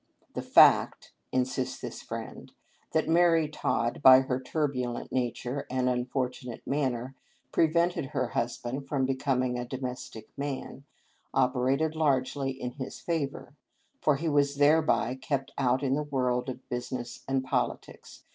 " The fact," insists this friend, " that Mary Todd, by her turbulent nature and unfortu nate manner, prevented her husband from becom THE LIFE OF LINCOLN. 433 ing a domestic man, operated largely in his favor; for he was thereby kept out in the world of busi ness and politics.